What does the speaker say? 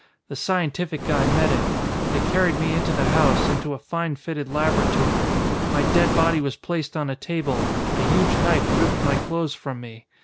The scientific guy met him. They carried me into the house, into a fine fitted laboratory. My dead body was placed on a table, a huge knife ripped my clothes from me.